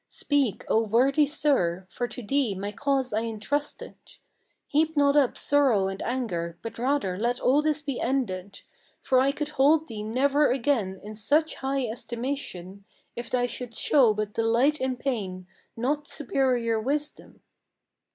Speak, O worthy sir; for to thee my cause I intrusted. Heap not up sorrow and anger, but rather let all this be ended; For I could hold thee never again in such high estimation, If thou shouldst show but delight in pain, not superior wisdom."